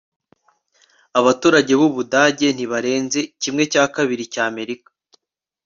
abaturage b'ubudage ntibarenze kimwe cya kabiri cy'amerika